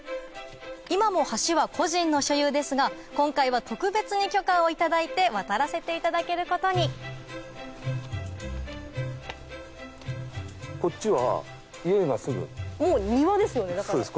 今も橋は個人の所有ですが今回は特別に許可を頂いて渡らせていただけることにもう庭ですよね。